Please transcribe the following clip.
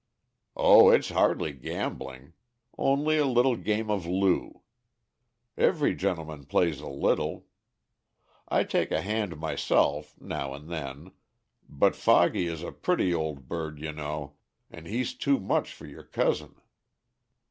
"Oh! it's hardly gambling. Only a little game of loo. Every gentleman plays a little. I take a hand myself, now and then; but Foggy is a pretty old bird, you know, and he's too much for your cousin.